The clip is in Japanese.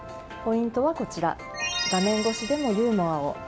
ポイントはこちら画面越しでもユーモアを。